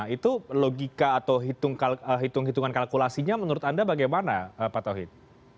itu logika atau hitung hitungan kalkulasinya menurut anda bagaimana pak tauhid